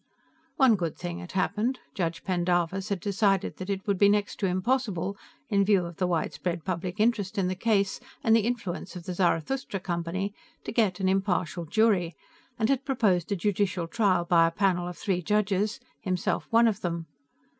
One good thing had happened. Judge Pendarvis had decided that it would be next to impossible, in view of the widespread public interest in the case and the influence of the Zarathustra Company, to get an impartial jury, and had proposed a judicial trial by a panel of three judges, himself one of them.